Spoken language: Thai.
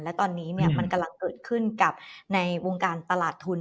และตอนนี้มันกำลังเกิดขึ้นกับในวงการตลาดทุน